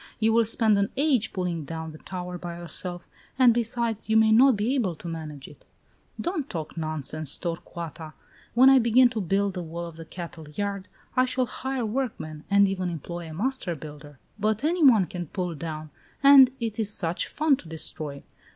You will spend an age in pulling down the tower by yourself, and besides, you may not be able to manage it." "Don't talk nonsense, Torcuata. When I begin to build the wall of the cattle yard, I shall hire workmen, and even employ a master builder. But any one can pull down. And it is such fun to destroy!